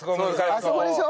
あそこでしょ？